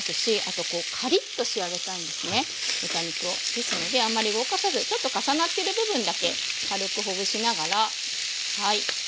ですのであんまり動かさずちょっと重なってる部分だけ軽くほぐしながらはい。